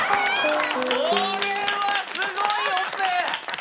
これはすごいオペ！